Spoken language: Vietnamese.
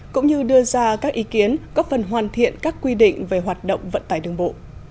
cũng như đưa ra các ý kiến góp phần hoàn thiện các quy định về hoạt động vận tải đường bộ